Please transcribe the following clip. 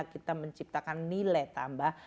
kita menciptakan nilai tambah